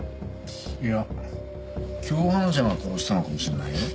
いや共犯者が殺したのかもしれないよ。